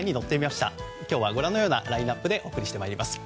今日はご覧のようなラインアップでお送りします。